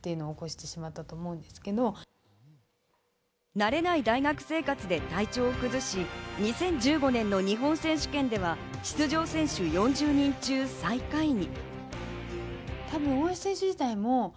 慣れない大学生活で体調を崩し、２０１５年の日本選手権では出場選手４０人中、最下位に。